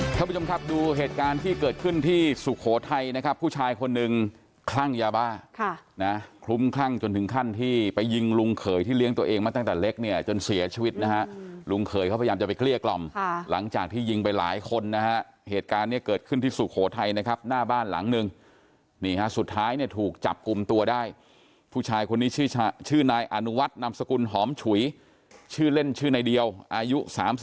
ครับคุณผู้ชมครับดูเหตุการณ์ที่เกิดขึ้นที่สุโขทัยนะครับผู้ชายคนนึงคลั่งยาบ้าคลุ้มคลั่งจนถึงขั้นที่ไปยิงลุงเขยที่เลี้ยงตัวเองมาตั้งแต่เล็กเนี่ยจนเสียชีวิตนะฮะลุงเขยเขาพยายามจะไปเกลี้ยกล่อมหลังจากที่ยิงไปหลายคนนะฮะเหตุการณ์เนี่ยเกิดขึ้นที่สุโขทัยนะครับหน้าบ้านหลังนึงนี่ฮะสุ